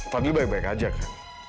fadli baik baik aja kan